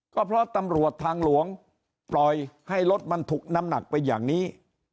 ก็เพราะตำรวจทางหลวงปล่อยให้รถมันถูกน้ำหนักไปอย่างนี้